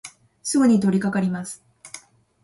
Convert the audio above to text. すぐにとりかかります。